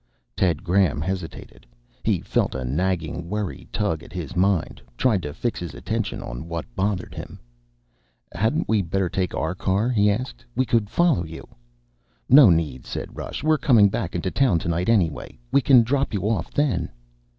Ted Graham hesitated. He felt a nagging worry tug at his mind, tried to fix his attention on what bothered him. "Hadn't we better take our car?" he asked. "We could follow you." "No need," said Rush. "We're coming back into town tonight anyway. We can drop you off then."